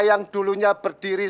yang dulunya berdiri